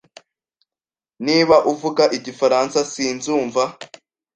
Niba uvuga igifaransa, sinzumva.